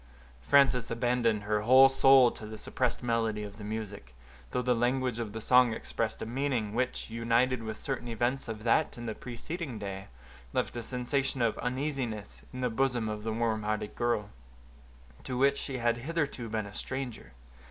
Frances abandoned her whole soul to the suppressed melody of the music, though the language of the song expressed a meaning, which, united with certain events of that and the preceding day, left a sensation of uneasiness in the bosom of the warm hearted girl, to which she had hitherto been a stranger.